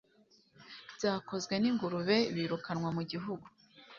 byakozwe; n'ingurube, birukanwa mu gihugu